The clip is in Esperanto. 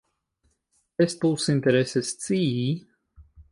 Estus interese scii.